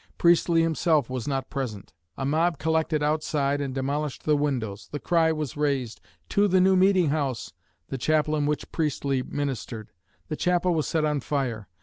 Priestley himself was not present. A mob collected outside and demolished the windows. The cry was raised, "To the new meeting house!" the chapel in which Priestley ministered. The chapel was set on fire.